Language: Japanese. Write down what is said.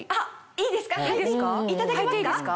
いいですか？